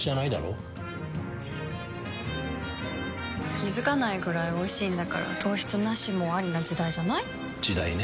気付かないくらいおいしいんだから糖質ナシもアリな時代じゃない？時代ね。